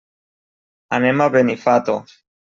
Anem a Benifato.